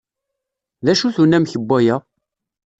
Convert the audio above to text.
D acu-t unamek n waya?